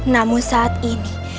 namun saat ini